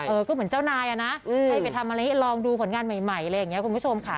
ก็เหมือนเจ้านายอ่ะนะให้ไปทำอะไรลองดูผลงานใหม่อะไรอย่างนี้คุณผู้ชมค่ะ